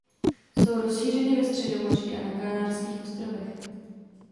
Jsou rozšířeny ve Středomoří a na Kanárských ostrovech.